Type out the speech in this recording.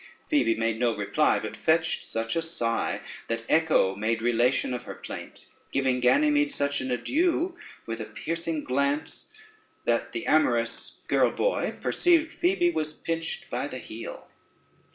Phoebe made no reply, but fetched such a sigh, that Echo made relation of her plaint, giving Ganymede such an adieu with a piercing glance, that the amorous girl boy perceived Phoebe was pinched by the heel.